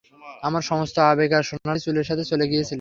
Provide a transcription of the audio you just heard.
আমার সমস্ত আবেগ তার সোনালী চুলের সাথে চলে গিয়েছিল।